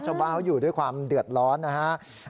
ชาวบ้านเขาอยู่ด้วยความเดือดร้อนนะครับ